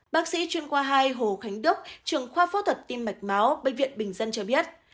bác sĩ chuyên khoa hai hồ khánh đức trường khoa phẫu thuật tim mạch máu bệnh viện bình dân cho biết